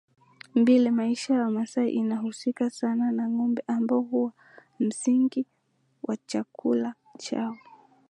mbili Maisha ya Wamasai inahusika sana na ngombe ambao huwa msingi wa chakula chao